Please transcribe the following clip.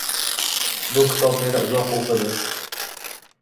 Bu kitob meni uzoq o’qidi